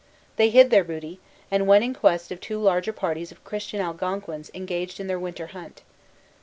They hid their booty, and then went in quest of two large parties of Christian Algonquins engaged in their winter hunt.